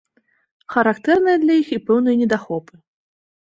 Характэрныя для іх і пэўныя недахопы.